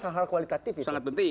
hal hal kualitatif itu